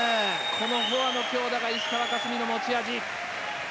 このフォアの強打が石川佳純の持ち味。